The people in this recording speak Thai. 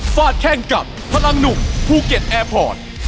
ฟาดแข้งกับพลังหนุ่มภูเก็ตแอร์พอร์ต